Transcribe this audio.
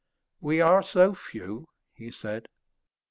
"We are so few," he said.